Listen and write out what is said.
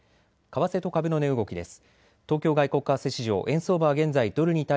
為替と株の値動きです。